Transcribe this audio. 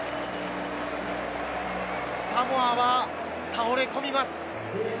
サモアは倒れ込みます。